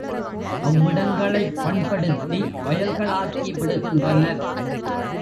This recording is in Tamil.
அவ்விடங்களைப் பண்படுத்தி, வயல்களாக்கி விடுகின்றனர்.